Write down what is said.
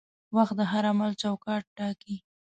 وخت د هر عمل چوکاټ ټاکي.